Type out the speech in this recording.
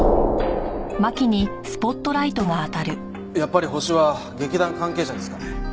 やっぱりホシは劇団関係者ですかね？